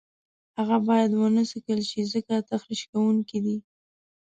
هغه باید ونه څکل شي ځکه تخریش کوونکي دي.